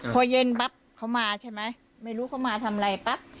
พอเย็นปั๊บเขามาใช่ไหมไม่รู้เขามาทำอะไรปั๊บ